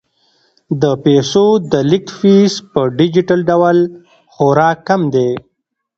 د پيسو د لیږد فیس په ډیجیټل ډول خورا کم دی.